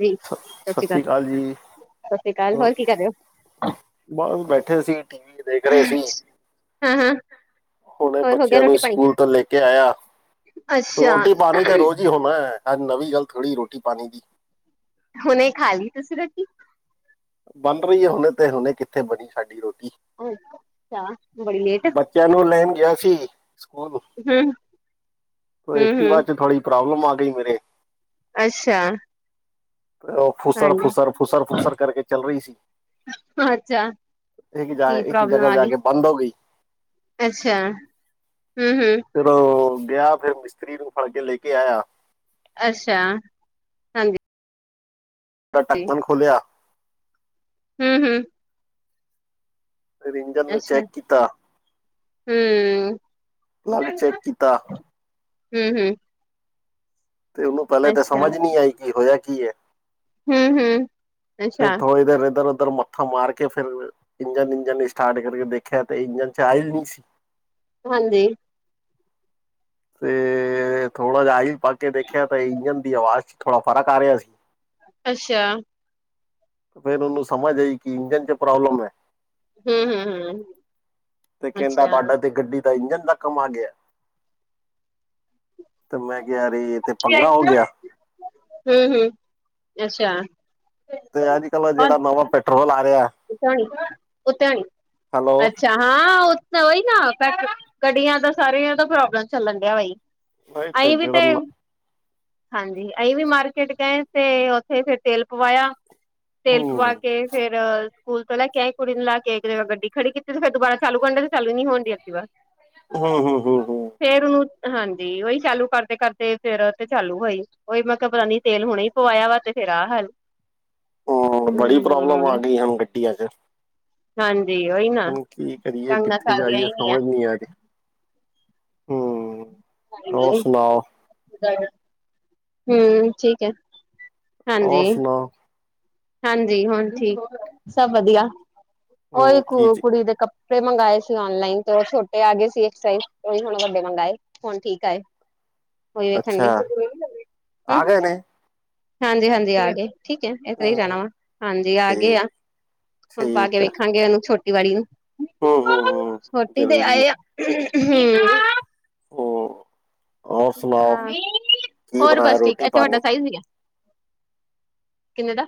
ਜੀ ਸ, ਸਤਿ ਸ਼੍ਰੀ ਅਕਾਲ ਸਸ੍ਰੀ ਕਾਲ ਜੀ। ਸਤਿ ਸ਼੍ਰੀ ਅਕਾਲ [unintelligible] ਹੋਰ ਕੀ ਕਰ ਰਹੇ ਹੋ ਬੱਸ ਬੈਠੇ ਸੀ, ਟੀਵੀ ਦੇਖ ਰੇ ਸੀ। ਹੂੰ-ਹੂੰ। ਹੁਣੇ ਬੱਚਿਆਂ ਨੂੰ ਸਕੂਲ ਤੋਂ ਲੈ ਕੇ ਆਯਾ, ਅੱਛਾ ਰੋਟੀ-ਪਾਨੀ ਤੇ ਰੋਜ਼ ਹੀ ਹੋਣਾ। ਐ ਨਵੀ ਗੱਲ ਥੋੜ੍ਹੀ ਰੋਟੀ-ਪਾਨੀ ਦੀ। ਹੁਣੇ ਹੀ ਖਾ ਲੀ ਤੁਸੀਂ ਰੋਟੀ। ਬਨ ਰਈ ਹੈ ਹੁਣੇ ਤੇ, ਹੁਣੇ ਕਿੱਥੇ ਬਣੀ ਸਾਡੀ ਰੋਟੀ। ਅੱਛਾ, ਬੜੀ ਲੇਟ। ਚਿਆ ਨੂੰ ਲੈਣ ਗਿਆ ਸੀ ਸਕੂਲ। ਹੂੰ ਓਹ ਐਕਟਿਵਾ ਚ ਥੋੜੀ ਪ੍ਰੋਬਲਮ ਆ ਗਈ ਮੇਰੇ। ਅੱਛਾ। ਉਹ ਹਾਂਜੀ ਫੁਸਰ-ਫੁਸਰ, ਫੁਸਰ-ਫੁਸਰ ਕਰਕੇ ਚੱਲ ਰਈ ਸੀ। ਅੱਛਾ ਇੱਕ ਕੀ ਜਾਏ, ਇੱਕ ਪ੍ਰੋਬਲਮ ਜਗਾ ਆ ਜਾ ਗਈ ਕੇ ਬੰਦ ਹੋ ਗਈ। ਅੱਛਾ, ਹੂੰ-ਹੂੰ। ਫੇਰ ਉਹ ਗਿਆ ਫੇਰ ਮਿਸਤਰੀ ਨੂੰ ਫੜ ਕੇ ਲੈ ਕੇ ਆਯਾ। ਅੱਛਾ। ਹਾਂਜੀ ਦਾ ਟਕਨ ਖੋਲਿਆ। ਹੂੰ-ਹੂੰ। ਫੇਰ ਇੰਜਨ ਨੂੰ ਚੈੱਕ ਕੀਤਾ। ਹੂੰ, ਪਲੱਗ ਚੈੱਕ ਕੀਤਾ ਹੂੰ-ਹੂੰ। ਤੇ ਉਨੂੰ ਪੈਲੇ ਤਾਂ ਅੱਛਾ ਸਮਝ ਨੀ ਆਈ, ਕਿ ਹੋਇਆ ਕੀ ਹੈ। ਹੂੰ-ਹੂੰ। ਫਿਰ ਥੋੜੀ ਦੇਰ ਏਧਰ ਓ ਧਰ ਮੱਥਾ ਮਾਰ ਕੇ ਫੇਰ ਇੰਜਨ-ਇੰਜਨ ਸਟਾਰਟ ਕਰਕੇ ਦੇਖਿਆ ਤੇ ਇੰਜਨ ਚ ਆਇਲ ਨੀ ਸੀ। ਹਾਂਜੀ। ਤੇ ਥੋੜ੍ਹਾ ਜਾ ਆਇਲ ਪਾ ਕੇ ਦੇਖਿਆ ਤੇ ਇੰਜਨ ਦੀ ਆਵਾਜ਼ ਚ ਥੋੜਾ ਫਰਕ ਆ ਰਿਆ ਸੀ। ਅੱਛਾ। ਫੇਰ ਉਨੂੰ ਸਮਝ ਆਈ ਕਿ ਇੰਜਨ ਚ ਪ੍ਰੋਬਲਮ ਐ। ਹੂੰ-ਹੂੰ, ਹੂੰ। ਤੇ ਕੇੰਦਾ ਤੁਹਾਡਾ ਤੇ ਗੱਡੀ ਇੰਜਣ ਦਾ ਕਮ ਆ ਗਿਆ, ਤੇ ਮੈਂ ਕਿਆ ਰੇ ਹੂੰ-ਹੂੰ ਅੱਛਾ। ਤੇ ਅੱਜਕਲ ਜੇੜਾ ਨਵਾਂ ਪੈਟਰੋਲ ਆ ਰਿਆ। ਉਤਾਣੀ-ਉਤਾਣੀ, ਹੈਲੋ ਅੱਛਾ। ਛਾ ਹਾਂ ਉਹ ਤਾਂ ਨਾ ਗੱਡੀਆਂ ਦਾ ਸਾਰੀਆਂ ਦਾ ਪ੍ਰੋਬਲਮ ਚੱਲਣ ਡਿਆ ਵੇ। ਨਹੀਂ ਅਈ ਵੀ ਜਿਹੜਾ ਤੇ ਨ- ਹਾਂਜੀ ਅਹੀ ਵੀ ਮਾਰਕੀਟ ਗਏ ਤੇ ਉੱਥੇ ਫੇਰ ਤੇਲ ਪਵਾਇਆ। ਤੇਲ ਪਵਾ ਹੂੰ ਕੇ ਫੇਰ ਸਕੂਲ ਤੋਂ ਲੈ ਕੇ ਆਏ ਕੁੜੀ ਨੇ ਲੇ ਕੇ ਗੱਡੀ ਖੜੀ ਕੀਤੀ ਤੇ ਫੇਰ ਦੁਬਾਰਾ ਚਾਲੂ ਕ ਡੇ ਚਾਲੂ ਨੀ ਹੋਣ ਡੀ ਐਕਟਿਵਾ। ਹੂੰ ਹੂੰ ਹੂੰ, ਹੂੰ ਫੇਰ ਉਨੂੰ ਹਾਂਜੀ ਉਹੀ ਚਾਲੂ ਕਰਦੇ-ਕਰਦੇ ਫੇਰ ਤੇ ਚਾਲੂ ਹੋਈ। ਓਈ ਮੈਂ ਕਿਆ ਪਤਾ ਨੀ ਤੇਲ ਹੁਣੇ ਹੀ ਪਵਾਇਆ ਵਾ ਤੇ ਫੇਰ ਆ ਹਾਲ। ਹਾਂ ਬੜੀ ਪ੍ਰੋਬਲਮ ਆ ਹਮ ਗਈ ਹਾਨੂੰ ਗੱਡੀਆਂ ਚ। ਹਾਂਜੀ ਓਈ ਹੁਣ ਕੀ ਕਰੀਏ ਕਿੱਥੇ ਜਾਈਏ ਸਮਝ ਨੀ ਆ ਰੀ ਹੂੰ। ਔਰ ਸੁਣਾਓ ਹੂੰ ਠੀਕ ਐ। ਔਰ ਸੁਨਾਓ? ਹਂਜੀ ਹੁਨ ਠੀਕ ਸਭ ਵਧੀਆ ਔਹੀ ਹੂੰ ਕੁ ਕੀ ਚ ਕੁੜੀ ਦੇ ਕੱਪੜੇ ਮੰਗਵਾਏ ਸੀ। ਔਨਲਾਈਨ ਤੇ ਛੋਟੇ ਆ ਗਏ ਸੀ ਉ ਹੁ ਵੱਡੇ ਮੰਗਵਾਏ ਹੁਨ ਠੀਕ ਆਏ। ਉਹੀ ਵੇਖਣ ਅੱਛਾ ਡੀ ਆ ਗਏ ਨੇ। ਹਂਜੀ, ਹਂਜੀ ਆ ਗਏ ਠੀਕ ਐ ਇਸ ਤਰ ਹੀ ਰਹਿਨਾ ਹੂੰ ਵਾ ਹਂਜੀ ਆ ਗਏ ਠੀਕ ਆ। ਹੁਨ ਪਾ ਕੇ ਠੀਕ ਆ ਵੇਖਾਂਗੇ ਉਨੂੰ ਛੋਟੀ ਵਾਲੀ ਨੂੰ ਹੂੰ ਹੂੰ ਹੂੰ ਛੋਟੀ ਤੇ ਜ਼ਰੂਰੀ ਆਏ ਆ। ਹੂੰ ਹੂੰ। ਹੂੰ ਔਰ ਸੁਣਾਓ ਹਾਂ ਕੀ ਹੋਰ ਬਣਾਇਆ ਬਸ ਠੀਕ ਰੋਟੀ ਐ ਤੁੱਡਾ ਪਾਣੀ ਸਾਈਜ਼ ਨੀਐ। ਕਿੰਨੇ ਦਾ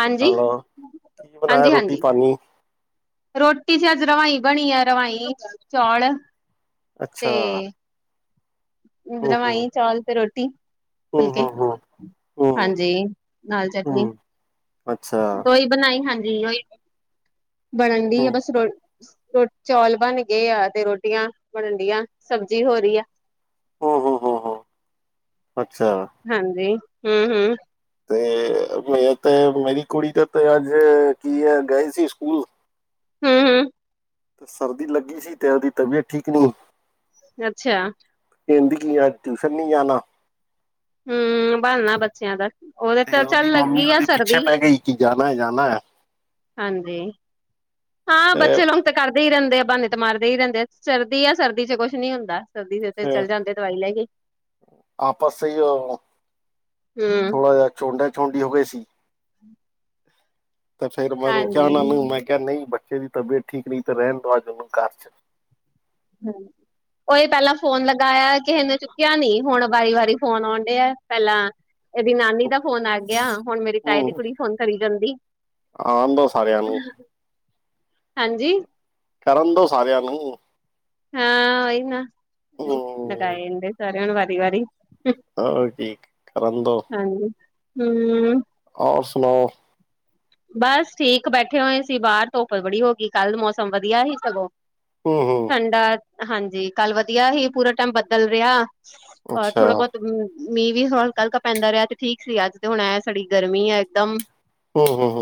ਹਂਜੀ, ਹੈਲੋ ਕੀ ਬਣਾਇਆ ਹਂਜੀ, ਰੋਟੀ ਹਂਜੀ। ਪਾਣੀ ਰੋਟੀ ਚ ਅੱਜ ਰਵਾਈ ਬਨੀ ਐ ਰਵਾਈ ਚੌਲ। ਅੱਛਾ। ਤੇ ਹੂੰ ਹੂੰ ਰਵਾਈ ਚੌਲ ਤੇ ਰੋਟੀ, ਹੂੰ ਫੁਲਕੇ। ਹੂੰ ਹੂੰ ਹੂੰ ਹਂਜੀ, ਨਾਲ ਚਟਨੀ। ਹੂੰ ਅੱਛਾ। ਬਨਾਈ ਹਂਜੀ, ਬਨਨ ਦੀ ਹੂੰ ਐ ਬਸ ਰੋਟੀ। ਰੋਟੀ ਚੌਲ ਬਨ ਗਏ ਆ ਤੇ ਰੋਟੀਆਂ ਬਨਦੀਆਂ ਸਬਜ਼ੀ ਹੋ ਰੀ ਐ। ਔਹੋ, ਔਹੋ, ਔਹੋ ਅੱਛਾ। ਹਂਜੀ, ਹੂੰ ਹੂੰ। ਤੇ ਮੈ ਮੇਰੀ ਕੁੜੀ ਤੇ ਅੱਜ ਕੀ ਐ ਗਏ ਸੀ ਸਕੂਲ। ਹੂੰ ਹੂੰ। ਸਰਦੀ ਲੱਗੀ ਸੀ ਤੈਅਲ ਦੀ ਤਬੀਅਤ ਠੀਕ ਨੀ। ਅੱਛਿਆ। ਕੈਂਦੀ ਕਿ ਅੱਜ ਟਿਊਸ਼ਨ ਨਹੀਂ ਜਾਨਾ। ਹੂੰ ਬਹਾਨਾ ਬੱਚਿਆਂ ਦਾ ਔਦੇ ਤੇ ਉਹਦੀ ਚੱਲ ਮੰਮੀ ਲੱਗੀ ਆ ਉਹਦੇ ਪਿੱਛੇ ਸਰਦੀ। ਪੈ ਗਈ ਕਿ ਜਾਣਾ ਹੈ ਜਾਣਾ ਹੈ ਹਂਜੀ। ਹਾਂ ਤੇ ਬੱਚੇ ਲੋਕ ਤਾਂ ਕਰਦੇ ਹੀ ਰੈਂਦੇ ਆ ਬਹਾਨੇ ਤੇ ਮਾਰਦੇ ਹੀ ਰੈਂਦੇ ਆ ਸਰਦੀ ਆ ਸਰਦੀ ਚ ਕੁਛ ਨੀ ਹੁੰਦਾ। ਸਰਦੀ ਦੇ ਤੇ ਫਿਰ ਚਲੇ ਜਾਂਦੇ ਦਵਾਈ ਲੈ ਕੇ ਆਪਸ ਵਿੱਚ ਹੂੰ। ਛੋੱਟਾਚੁਡੀਆਂ ਵਹੇਸੀ। ਤੇ ਫੇਰ ਮੈਂ ਰੋਕਿਆ ਉਨਾਂ ਨੂੰ। ਹਾਂਜੀ ਮੈਂ ਕਿਹਾ ਨਹੀਂ ਬੱਚੇ ਦੀ ਤਬੀਅਤ ਠੀਕ ਨਹੀਂ ਤੇ ਰਹਿਨ ਦੋ। ਅੱਜ ਉਨੂੰ ਘਰ ਚ ਤੈ ਰਹੀ। ਔਹ ਹੇਪੈਲਾਂ ਫੋਨ ਲਗਾਇਆ ਕਿਸੇ ਨੇ ਚੁੱਕਿਆ ਨੀ। ਹੁਨ ਵਾਰੀ ਵਾਰੀ ਫੋਨ ਆਉਨ ਡਿਆਵ ਪੈਂਲਾਂ ਏਹਦੀ ਨਾਨੀ ਦਾ ਫੋਨ ਆ ਗਿਆ। ਹੁਨ ਮੇਰੀ ਤਾਏ ਦੀ ਕੁੜੀ ਫੋਨ ਕਰੀ ਜੈਂਦੀ। ਆਨ ਦੋ ਸਾਰਿਆਂ ਨੂੰ। ਹਂਜੀ। ਕਰਨ ਦੋ ਸਾਰਿਆਂ ਨੂੰ। ਹਾਂ ਈਨਾ ਹੂੰ ਲਗਾਏ ਜਾਂਦੇ ਸਾਰੇਆਂ ਨੂੰ ਵਾਰੀ ਵਾਰੀ। ਹੋਰ ਠੀਕ ਕਰਨ ਦੋ। ਹਂਜੀ, ਹੂੰ। ਹੋਰ ਸੁਨਾਔ। ਬਸ ਠੀਕ ਬੈਠੇ ਹੋਏਂ ਸੀ ਬਾਰ ਧੁੱਪ ਬੜੀ ਹੋਗੀ ਕੱਲ ਮੌਸਮ ਵਧੀਆ ਈ ਸਗੋਂ। ਹੂੰ ਹੂੰ ਠੰਡਾ ਹਂਜੀ ਕੱਲ ਵਧੀਆ ਈ ਪੂਰਾ ਟਾਈਮ ਬਦਲ ਰਿਆ। ਆ ਅੱਛਾ ਥੋੜਾ ਬਚਗੀ ਹੂੰ। ਮੀਂਹ ਵੀ ਹਲਕਾ ਹਲਕਾ ਪੈਂਦਾ ਰਿਆ। ਤੇ ਠੀਕ ਸੀ ਅੱਜ ਤੇ ਹੁਨ ਐ ਥੋੜੀ ਗਰਮੀ ਐ। ਏਕਦਮ ਔਹੋ, ਔਹੋ।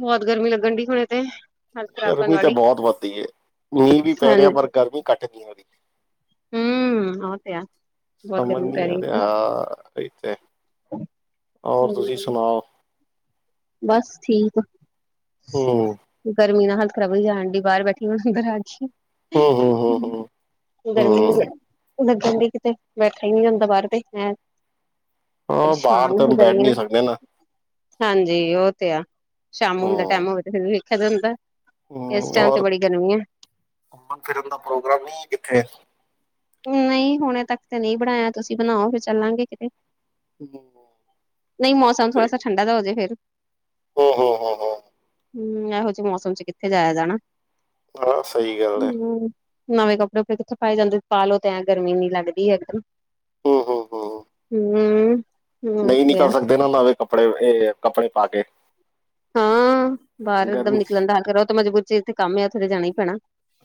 ਬੋਤ ਗਰਮੀ ਲੱਗਨ ਡੀ ਹੁਨੇ ਤੇ। ਹਾਲਤ ਖ਼ਰਾਬ ਕਰਨ ਗਰਮੀ ਤਾਂ ਵਾਲੀ ਬੋਤ ਵੱਧਦੀ ਏ ਮੀਂਹ ਵੀ ਪੈ ਹਾਂਜੀ ਰਿਆ ਪਰ ਗਰਮੀ ਘੱਟ ਨੀ। ਹੂੰ ਆ ਤੇ ਐ। ਸਮਝ ਨੀ ਆ ਰਿਆ [unintelligible] ਓਰ ਤੁਸੀਂ ਸੁਣਾਓ? ਬਸ ਠੀਕ। ਹੂੰ। ਗਰਮੀ ਨਾਲ ਹਾਲਤ ਖ਼ਰਾਬ ਹੋ ਜਾਣਡੀ ਬਾਰ ਬੈਠੀ ਅੰਦਰ ਆਗੀ। ਹੂੰ ਹੂੰ ਹੂੰ ਹੂੰ ਗਰਮੀ ਹੂੰ ਲੱਗਣਡੀ ਕਿਤੇ ਬੈਠਾ ਈ ਨੀ ਜਾਂਦਾ ਬਾਰ ਤੇ [unintelligible] ਹਾਂ ਬਾਹਰ ਪਰੇਸ਼ਾਨ ਤਾਂ ਹੋ ਬੈਠ ਜਨੀ ਆ। ਨਹੀਂ ਸਕਦੇ ਨਾ ਹਾਂਜੀ ਓ ਤੇ ਐ ਸ਼ਾਮ [unintelligible] ਦਾ ਟਾਈਮ ਹੂੰ ਹੋਵੇ ਵੇਖਿਆ ਜਾਂਦੈ। ਹੂੰ ਔਰ ਘੁੰਮਣ ਫਿਰਨ ਦਾ ਪ੍ਰੋਗਰਾਮ ਨੀ ਐ ਕਿੱਥੇ। ਨਈ ਹੁਣੇ ਤੱਕ ਤੇ ਨਈ ਬਣਾਇਆ ਤੁਸੀਂ ਬਣਾਓ ਫਿਰ ਚੱਲਾਂਗੇ ਕਿਤੇ। ਹੂੰ ਨਈ ਮੌਸਮ ਥੋੜਾ ਸਾ ਠੰਡਾ ਦਾ ਹੋਜੇ ਫੇਰ। ਹੂੰ-ਹੂੰ-ਹੂੰ ਹੂੰ ਐਹੋ ਜੇ ਮੌਸਮ ਚ ਕਿੱਥੇ ਜਾਇਆ ਜਾਣਾ ਹਾਂ ਸਹੀ ਗੱਲ ਹੈ ਹੂੰ। ਨਵੇਂ ਕੱਪੜੇ ਫਿਰ ਕਿੱਥੇ ਪਾਏ ਜਾਂਦੇ ਪਾ ਲੋੋ ਤੇ ਐਂ ਗਰਮੀ ਇੰਨੀ ਲੱਗਦੀ ਏਕਦਮ। ਹੂੰ-ਹੂੰ-ਹੂੰ ਹੂੰ। ਹੂੰ, ਨਈ ਤੇ ਆ ਨਿਕਲ ਸਕਦੇ ਨਾ ਨਵੇਂ ਕੱਪੜੇ ਏ ਅ ਕੱਪੜੇ ਪਾ ਕੇ। ਹਾਂ ਬਾਰ ਦਮ ਗਰਮੀ ਨਿਕਲਣਦਾ ਨਾ ਕਰੋ ਓ ਤਾਂ ਮਜ਼ਬੂਰੀ ਚ ਜਿੱਥੇ ਕੰਮ ਆ ਉੱਥੇ ਤਾਂ ਜਾਣਾ ਈ ਪੈਣਾ।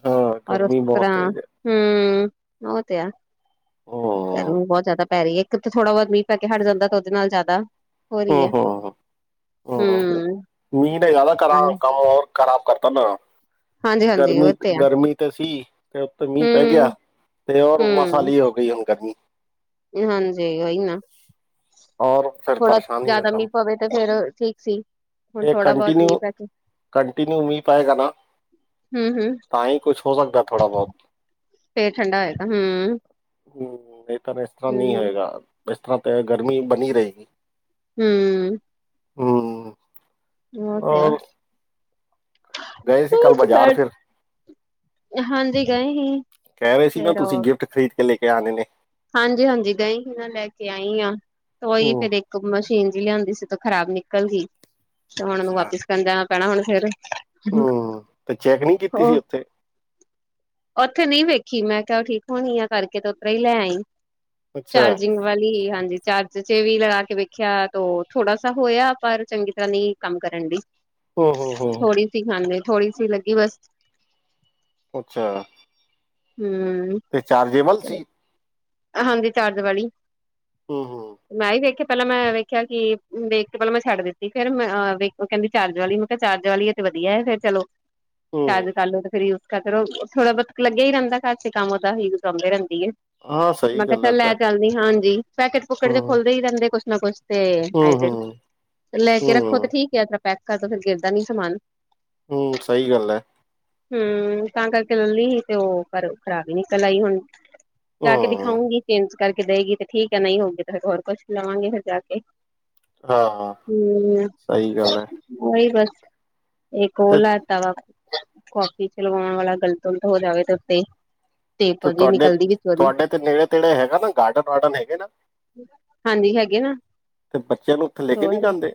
ਹਾਂ ਓਰ ਉਸ ਗਰਮੀ ਬਹੁਤ ਤਰਾਂ ਤੇਜ਼ ਹੈ ਹੂੰ ਓ ਤੇ ਐ। ਹੂੰ ਗਰਮੀ ਬੋ ਜਾਦਾ ਪੈਰੀ ਐ ਇੱਕ ਤਾਂ ਥੋੜਾ ਬੋਤ ਮੀਂਹ ਪੈ ਕੇ ਹਟ ਜਾਂਦਾ ਤਾਂ ਓਦੇ ਨਾਲ ਜਾਦਾ ਹੂੰ ਹੋਰੀ ਐ ਹੂੰ ਹੂੰ। ਮੀਂਹ ਨੇ ਜਾਦਾ ਕਰਾਂ ਕੰਮ ਓਰ ਖਰਾਬ ਕਰਤਾ ਨਾ। ਹਾਂਜੀ-ਹਾਂਜੀ ਉਹ ਤੇ ਆ ਗਰਮੀ-ਗਰਮੀ ਤੇ ਸੀ ਤੇ ਉਤੇ ਮੀਂਹ ਪੈ ਗਿਆ ਹੂੰ। ਤੇ ਹੋਰ ਹੂੰ, ਮਸਾਲੀ ਹੋ ਗਈ ਹੁਣ ਗਰਮੀ। ਹਾਂਜੀ ਓ ਈ ਨਾ ਔਰ ਫਿਰ ਹੋ ਥੋੜਾ ਪਰੇਸ਼ਾਨੀ ਦਾ ਜਾਦਾ ਮੀਂਹ ਪਵੇ ਤੇ ਫੇਰ ਠੀਕ ਸੀ। ਹੁਣ ਏ ਥੋੜਾ ਬਹੁਤ ਮੀਂਹ ਪੈ ਕੇ ਕੰਟੀਨਿਊ-ਕੰਟੀਿਨਿਊ ਮੀਂਹ ਪਾਏਗਾ ਨਾ ਹੂੰ-ਹੂੰ ਤਾਂ ਈ ਕੁੱਛ ਹੋ ਸਕਦਾ ਥੋੜਾ ਬੋਤ। ਫੇਰ ਠੰਡਾ ਹੋਏਗਾ ਹੂੰ। ਹੂੰ ਨਈ ਤਾਂ ਇਸ ਤਰ੍ਹਾਂ ਨੀ ਹੋਏਗਾ ਇਸ ਤਰ੍ਹਾਂ ਤੇ ਗਰਮੀ ਬਣੀ ਰਏਗੀ। ਹੂੰ। ਹੂੰ। ਓ ਤੇ ਐ। ਗਏ ਸੀ ਕੱਲ ਬਾਜ਼ਾਰ ਬੈਠ ਫਿਰ? ਹਾਂਜੀ ਗਏ ਹੀ ਕੈ ਰੇ ਸੀ ਨਾ ਫੇਰ ਤੁਸੀਂ ਗਿਫਟ ਖ਼ਰੀਦ ਕੇ ਲੈ ਕੇ ਆਣੇ ਨੇ। ਹਾਂਜੀ-ਹਾਂਜੀ ਗਈ ਸੀ ਨਾ ਲੈ ਕੇ ਆਈ ਆ ਤੇ ਓਈ ਹਮ ਫੇਰ ਇ ਕ ਮਸ਼ੀਨ ਜੀ ਲਿਆਂਦੀ ਸੀ ਤਾਂ ਖ਼ਰਾਬ ਨਿਕਲਗੀ ਤੇ ਹੁਣ ਓਨੂੰ ਅੱਛਾ ਵਾਪਿਸ ਕਰਨ ਜਾਣਾ ਪੈਣਾ ਹੁਣ ਫੇਰ [unintelligible] ਹਮ ਤੇ ਚੈੱਕ ਨਹੀਂ ਕੀਤੀ ਹੋ ਸੀ ਉੱਥੇ ਓਥੇ ਨਈ ਵੇਖੀ ਮੈਂ ਕਿਆ ਠੀਕ ਹੋਣੀ ਆ ਕਰਕੇ ਤੇ ਉਤਰਾ ਈ ਲੈ ਆਈ ਅੱਛਾ ਚਾਰਜਿੰਗ ਵਾਲੀ ਹਾਂਜੀ ਚਾਰਜ ਚ ਵੀ ਲੜਾ ਕੇ ਵੇਖਿਆ ਤੋ ਥੋੜਾ ਸਾ ਹੋਇਆ ਪਰ ਚੰਗੀ ਤਰ੍ਹਾਂ ਨੀ ਕੰਮ ਕਰਨ ਡੀ। ਓ ਹੋ-ਹੋ ਥੋੜੀ ਸੀ ਹਾਂਜੀ ਥੋੜ੍ਹੀ ਸੀ ਲੱਗੀ ਬਸ ਅੱਛਾ। ਹੂੰ। ਤੇ ਚਾਰਜੇਬਲ ਸੀ। ਹਾਂਜੀ ਚਾਰਜ ਵਾਲੀ। ਹੂੰ-ਹੂੰ। ਮੈਂ ਵੀ ਵੇਖ ਕੇ ਪੈਲਾਂ ਮੈਂ ਵੇਖਿਆ ਕਿ ਵੇਖ ਕੇ ਪੈਲਾਂ ਮੈਂ ਛੱਡ ਦਿੱਤੀ ਫੇਰ ਮੈਂ ਅ ਵੇਖੋ ਕੈਂਦੀ ਚਾਰਜ ਵਾਲੀ ਨੂੰ ਤਾਂ ਚਾਰਜ ਵਾਲੀਏ ਤੇ ਵਦੀਆ ਐ ਫੇਰ ਚਲੋ ਚਾਰਜ ਹਮ ਕਰ ਲੋ ਤੇ ਫੇਰ ਯੁ ਕਰੋ ਥੋੜਾ ਬੋਤ ਲੱਗਿਆ ਈ ਰੈਂਦਾ ਘੜ ਚ ਕੰਮ ਉਦਾ ਹੀ ਘੁੰਮਦੀ ਰੈਂਦੀ ਏ। ਹਾਂ ਮੈਂ ਸਹੀ ਕਿਆ ਗੱਲ ਹੈ ਚੱਲ ਤਾਂ ਲੈ ਚੱਲਦੀ ਹਾਂਜੀ। ਪੈਕੇਟ ਪੁਕਟ ਕੇ ਹੂੰ, ਖੋਲਦੇ ਈ ਰੈਂਦੇ ਕੁਛ ਨ ਕੁਛ ਤੇ ਆਏ ਹੂੰ, ਦਿਨ ਹੂੰ, ਲੈ ਕੇ ਰੱਖੋ ਤੇ ਹੂੰ, ਠੀਕ ਐ ਤੇ ਪੈਕ ਕਰਦੋ ਫਿਰ ਗਿਰਦਾ ਨੀ ਸਮਾਨ। ਹੂੰ ਸਈ ਗੱਲ ਐ। ਹੂੰ ਤਾਂ ਕਰਕੇ ਲੈਲੀ ਸੀ ਤੇ ਓ ਪਰ ਖ਼ਰਾਬ ਈ ਨਿਕਲ ਆਈ ਹੁਣ ਜਾ ਕੇ ਹੂੰ, ਦਿਖਾਉਂਗੀ ਚੇਂਜ ਕਰਕੇ ਦੇਗੀ ਤੇ ਠੀਕ ਐ ਨਈ ਹੋਊਗੀ ਤੇ ਫਿਰ ਹੋਰ ਕੁਛ ਲਵਾਂਗੇ ਫਿਰ ਜਾ ਕੇ। ਹਾਂ ਹੂੰ ਸਹੀ ਗੱਲ ਐ ਐਈ ਬਸ। ਇੱਕ ਹੋਰ ਤੇ ਲੈ ਤਵਾ ਕਾਫੀ ਚ ਲਗਾਉਣ ਵਾਲਾ ਗਲਤਗੁਲਤ ਹੋ ਜਾਵੇ ਤੇ ਉੱਤੇ। ਤੇਪ ਓਦੀ ਨਿਕਲਦੀ ਪਈ ਤੁਆਡੇ ਤੇ ਨੇੜੇ ਤੇੜੇ ਹੈਗਾ ਨਾ ਗਾਰਡਨ-ਵਾਰਡਨ ਹੈਗੇ ਨਾ। ਹਾਂਜੀ ਹੈਗੇ ਨਾ ਤੇ ਬੱਚਿਆਂ ਨੂੰ ਉੱਥੇ ਲੈ ਕੇ ਨੀ ਜਾਂਦੇ?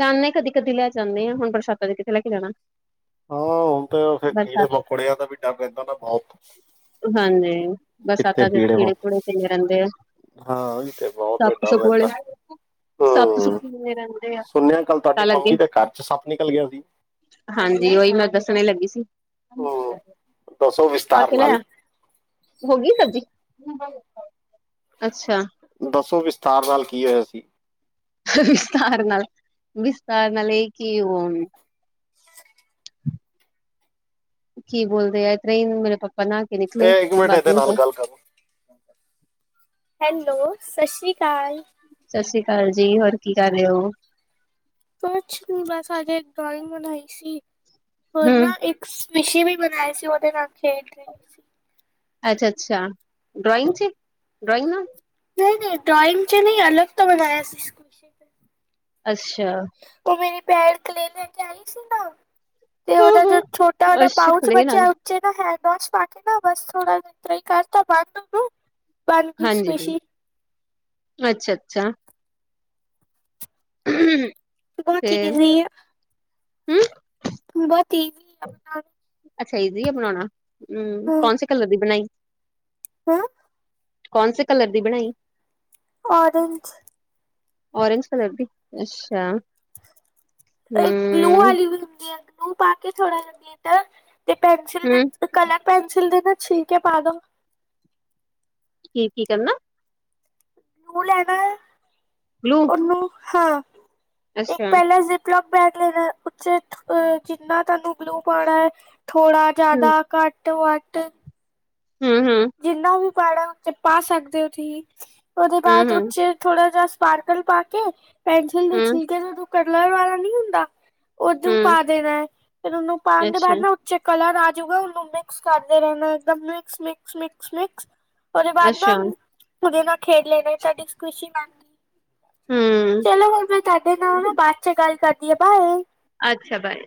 ਜਾਨੇ ਆ ਕਦੀ-ਕਦੀ ਲੈ ਜਾਨੇ ਆ ਹੁਨ ਬਰਸਾਤਾਂ ਚ ਕਿਤੇ ਲੈ ਕੇ ਜਾਣਾ। ਹਾਂ ਹੁਨ ਤੇ ਓ ਫੇਰ ਬਰਸਾਤ ਕੀੜੇ-ਮਕੌੜਿਆਂ ਦਾ ਵੀ ਡਰ ਰੇਂਦਾ ਵਾ ਬਹੁਤ। ਹਾਂਜੀ, ਕਿੱਥੇ ਬਰਸਾਤਾਂ ਚ ਕੀੜੇ ਮ ਕੀੜੇ-ਕੂੜੇ ਪਈ ਰੈਂਦੇ ਐ। ਹਾਂ ਓਈ ਤੇ ਬੋਤ ਡਰ ਰੈਂਦਾ। ਸੱਪ ਸੁੱਪ ਹੂੰ ਕਿੰਨੇ ਰਹਿੰਦੇ ਆ ਸੁਣਿਆ ਕੱਲ ਤੁਆਡੀ ਮੰਮੀ ਦੇ ਘਰ ਚ ਸੱਪ ਨਿਕਲ ਗਿਆ ਸੀ। ਹਾਂਜੀ ਓਈ ਮੈਂ ਦੱਸਣ ਲੱਗੀ ਸੀ ਹੂੰ, ਦੱਸੋ ਪਾ ਵਿਸਥਾਰ ਕੇ ਨਾਲ ਲੈਆ। ਹੋਗੀ ਸਬਜ਼ੀ ਅੱਛਾ। ਦੱਸੋ ਵਿਸਤਾਰ ਨਾਲ ਕੀ ਹੋਇਆ ਸੀ। ਵਿਸਤਾਰ ਨਾਲ, ਵਿਸਤਾਰ ਨਾਲ ਏ ਕਿ ਓ ਕੀ ਬੋਲਦੇ ਆ ਤਰੇ ਈ ਨੂੰ ਮੇਰੇ ਪਾਪਾ ਨਾਲ ਐ ਇੱਕ ਮਿੰਟ ਏਦੇ ਨਾਲ ਗੱਲ ਕਰਲੋ। ਹੈਲੋ ਸਾ ਸ਼੍ਰੀ ਕਾਲ। ਸਾਸੀ ਕਾਲ ਜੀ ਹੋਰ ਕੀ ਕਰ ਰੇ ਓ? ਕੁਛ ਨੀ ਬਸ ਆੱਜ ਏਕ ਡਰੋਇੰਗ ਬਣਾਈ ਸੀ ਹੋਰ ਹੂੰ, ਨਾ ਇੱਕ ਸਵਿਸ਼ੀ ਵੀ ਬਣਾਏ ਸੀ ਓਦੇ ਨਾਲ ਖੇਡ ਰਹੀ ਸੀ ਅੱਛਾ-ਅੱਛਾ ਡ੍ਰੋਇੰਗ ਚ ਡ੍ਰੋਇੰਗ ਨਾਲ। ਨਈ-ਨਈ ਡਰਾਇੰਗ ਚ ਨਈ ਅਲਗ ਤੋਂ ਬਣਾਇਆ ਸੀ ਵਿਸ਼ੇ ਤੇ ਅੱਛਾ। ਓ ਮੇਰੇ ਪੈੜ ਕਲੇ ਲੈ ਕੇ ਆਈ ਸੀ ਨਾ। ਤੇ ਓਦਾ ਜੋ ਛੋਟਾ ਉਦਾ ਅੱਛਾ, ਪਾਊਚ ਕਲੇ ਨਾਲ, ਬਚਿਆ ਜੇ ਨਾ ਹੈਂਡ ਵੋਸ਼ ਪਾ ਕੇ ਨਾ ਬਸ ਥੋੜਾ ਜਾ ਏਦਾਂ ਈ ਕਰਤਾ ਬੰਦ ਓਨੂੰ। ਹਾਂਜੀ ਹਾ, ਅੱਛਾ-ਅੱਛਾ। [inaudible] ਬੋਤ ਈ ਫੇਰ ਇਜ਼ੀ ਏ। ਹੂੰ। ਬੋਤ ਈ ਅੱਛਾ ਇਜ਼ੀ ਐ ਬਣਾਉਣਾ ਹੂੰ ਕੋਨ ਸੇ ਕਲਰ ਦੀ ਬਨਾਈ ਓਂ ਕੌਨ ਸੇ ਕਲਰ ਦੀ ਬਣਾਈ? ਓਰੇਂਜ। ਓਰੇਂਜ ਕਲਰ ਦੀ ਅੱਸ਼ਾ। ਏ ਗਲੂ ਆਲੀ ਵੀ ਹੁੰਦੀ ਐ ਗਲੂ ਪਾ ਕੇ ਥੋੜਾ ਲਗੇ ਤੇ, ਤੇ ਪੈਨਸ਼ਲ ਹੂੰ, ਦੇ ਕਲਰ ਪੈਨਸ਼ਿਲ ਦੇ ਮੈ ਛਿੱਲਕੇ ਪਾ ਦੋ। ਕੀ, ਕੀ ਕਰਨਾ? ਤੂੰ ਲੈਨਾ ਏ। ਗਲੂ ਗਲੂ ਹਾਂ ਇੱਕ ਅੱਛਾ। ਪੈਲਾ ਪਲੱਗ ਬੈਗ ਲੈਨੈ ਉਚ ਅ ਜਿੰਨਾ ਤਾਨੂੰ ਗਲੂ ਪਾਣਾ ਏ ਥੋੜਾ ਹੂੰ, ਜਆਦਾ ਘੱਟ- ਵੱਧ ਹੁੰ, ਹੁੰ ਜਿੰਨਾ ਵੀ ਪਾਣਾ ਓਚ ਪਾ ਸਕਦੇ ਓ ਤੁਹੀ ਓਦੇ ਬਾਅਦ ਹੂੰ-ਹੂੰ, ਉਚ ਥੋੜ੍ਹਾ ਜਿਆ। ਸਪਾਰਕਲ ਪਾ ਕੇ ਪੈਨਸ਼ਿਲ ਦੇ ਛਿੱਲਕੇ ਨੂੰ ਜੋ ਕਰਲਰ ਵਾਲਾ ਨੀ ਹੁੰਦਾ ਓਦੂ ਹੂੰ-ਹੂੰ, ਪਾ ਦੇਣਾ ਏ ਫਿਰ ਉਨੂੰ ਪਾਣ ਤੋ ਬਾਅਦ ਅੱਛਾ-ਅੱਛਾ, ਨਾ ਓਚ ਕਲਰ ਆਜੂਗਾ ਉਨੂੰ ਮਿਕਸ ਕਰ ਦੇਣਾ ਏ ਏਕਦਮ ਮਿਕਸ, ਮਿਕਸ, ਮਿਕਸ, ਮਿਕਸ। ਓਦੇ ਹੂੰ, ਅੱਛਾ ਬਾਅਦ ਨਾ ਅੱਛਾ ਉਦੇ ਨਾਲ ਖੇਡ ਲੈਨੈ ਸ਼ਾਡੀ ਖੁਸ਼ੀ ਮਨ ਹਮ ਚਲੋ ਫਿਰ ਮੈ ਤਾਡੇ ਨਾਲ ਨਾ ਬਾ ਚੋ ਗੱਲ ਕਰਦੀ ਆ ਬਾਏ। ਅਛਾ, ਬਾਏ।